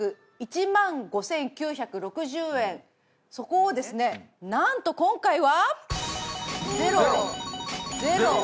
そこをですねなんと今回は。